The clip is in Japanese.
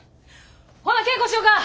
ほな稽古しよか！